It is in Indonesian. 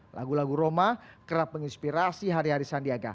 lagu lagu roma kerap menginspirasi hari hari sandiaga